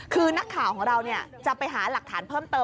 คือนักข่าวของเราจะไปหาหลักฐานเพิ่มเติม